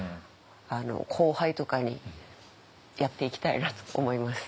後輩とかにやっていきたいなと思います。